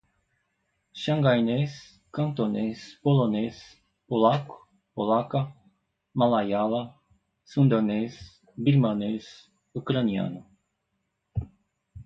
Xangainês, cantonês, polonês, polaco, polaca, malaiala, sundanês, birmanês, ucraniano